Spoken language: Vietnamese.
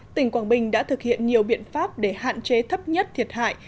tỉnh quảng bình đã thực hiện nhiều biện pháp để hạn chế thấp nhất thiệt hại